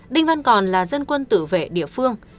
đinh văn còn là dân quân tử vệ địa phương